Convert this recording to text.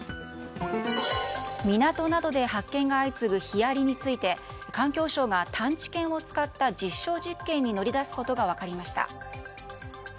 港などで発見が相次ぐヒアリについて環境省が探知犬を使った実証実験に乗り出すことが分かりました。